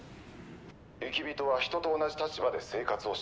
雪人は人と同じ立場で生活をしています。